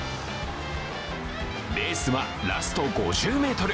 レースはラスト５０ｍ。